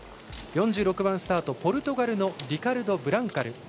４６番スタート、ポルトガルのリカルド・ブランカル。